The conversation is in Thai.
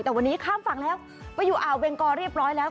แต่วันนี้ข้ามฝั่งแล้วไปอยู่อ่าวเวงกอเรียบร้อยแล้ว